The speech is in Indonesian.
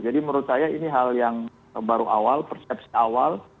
jadi menurut saya ini hal yang baru awal persepsi awal